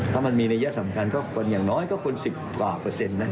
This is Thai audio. ถ้ามันมีนัยสำคัญก็คนอย่างน้อยก็ควร๑๐กว่าเปอร์เซ็นต์นะ